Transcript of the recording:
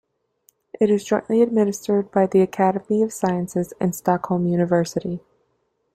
It is jointly administered by the Academy of Sciences and Stockholm University.